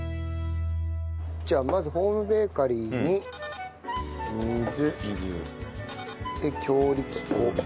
じゃあまずホームベーカリーに水強力粉。